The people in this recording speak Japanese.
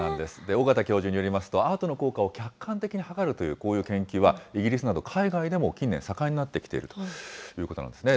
緒方教授によりますと、アートの効果を客観的に計るというこういう研究は、イギリスなど海外でも近年、盛んになってきているということなんですね。